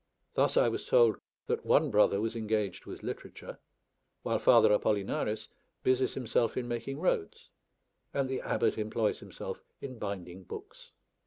Thus I was told that one brother was engaged with literature; while Father Apollinaris busies himself in making roads, and the Abbot employs himself in binding books.